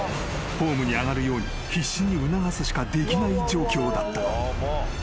［ホームに上がるように必死に促すしかできない状況だった］